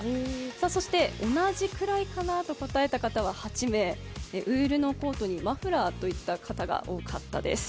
そして同じくらいかなと答えた方は８名、ウールのコートにマフラーといった方が多かったです。